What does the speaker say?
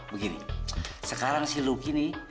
begini sekarang si luki nih